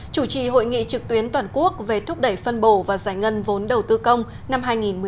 chủ trì hội nghị trực tuyến toàn quốc về thúc đẩy phân bổ và giải ngân vốn đầu tư công năm hai nghìn một mươi chín